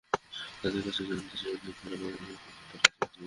তাদের কাছে জানতে চেয়েছি, তারা পাকিস্তান সফরে যেতে রাজি আছে কিনা।